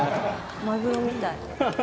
マグロみたい。